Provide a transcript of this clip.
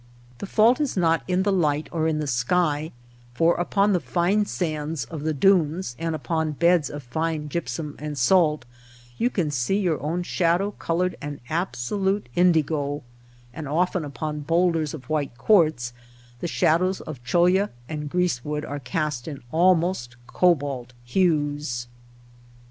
The fault is not in the light or in the sky, for upon the fine sands of the dunes, and upon beds of fine gypsum and salt, you can see your own shadow colored an absolute indigo ; and often upon bowlders of white quartz the shadows of cholla and grease wood are cast in almost cobalt hues.